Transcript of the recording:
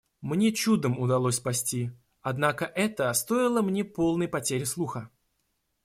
Мне чудом удалось спасти, однако это стоило мне полной потери слуха.